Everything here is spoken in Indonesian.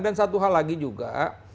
dan satu hal lagi juga